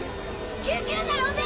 救急車呼んで！